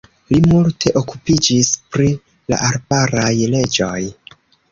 Li multe okupiĝis pri la arbaraj leĝoj.